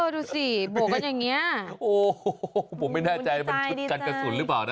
ดูสิบวกกันอย่างนี้โอ้โหผมไม่แน่ใจมันชุดกันกระสุนหรือเปล่านะ